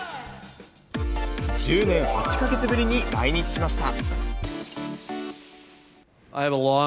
１０年８か月ぶりに来日しました。